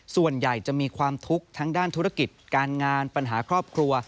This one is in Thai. ส่วนใหญ่จะมีความทุกข์ทั้งด้านธุรกิจการงานปัญหาครอบครัว